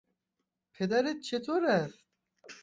پدرت چطور است؟